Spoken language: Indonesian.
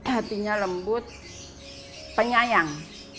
hatinya lembut penyayang